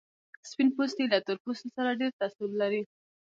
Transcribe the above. سپين پوستي له تور پوستو سره ډېر تعصب لري.